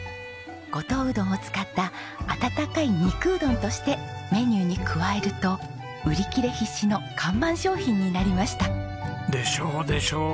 五島うどんを使った温かい肉うどんとしてメニューに加えると売り切れ必至の看板商品になりました。でしょうでしょう。